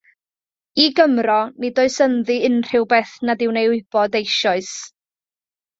I Gymro nid oes ynddi unrhyw beth nad yw'n ei wybod eisoes.